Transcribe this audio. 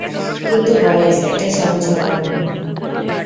কিন্তু বয়েজ, এটা সহজে হবে না।